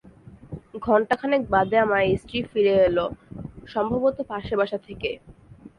ঘণ্টা খানেক বাদে আমার স্ত্রী ফিরে এল, সম্ভবত পাশের বাসা থেকে।